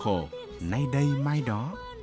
khổ nay đây mai đó